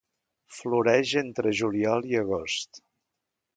Floreix entre juliol i agost.